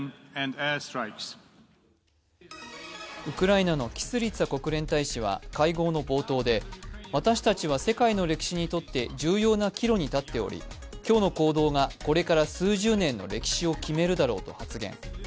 ウクライナのキスリツァ国連大使は会合の冒頭で私たちは世界の歴史にとって重要な岐路に立っており今日の行動がこれから数十年の歴史を決めるだろうと発言。